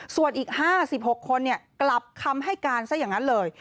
ส่วนอีก๕๖คนกลับคำให้การซะอย่างนั้นเลย